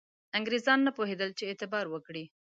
انګرېزان نه پوهېدل چې اعتبار وکړي.